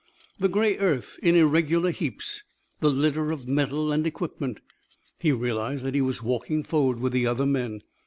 The grey earth in irregular heaps, the litter of metal and equipment. He realized that he was walking forward with the other men.